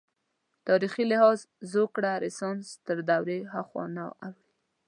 تاریخي لحاظ زوکړه رنسانس تر دورې هاخوا نه اوړي.